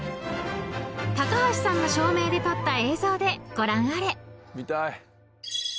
［高橋さんの照明で撮った映像でご覧あれ］